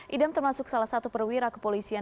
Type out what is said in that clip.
idam termasuk salah satu perwira kepolisian